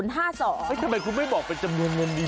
ทำไมคุณไม่บอกเป็นจำนวนเงินดี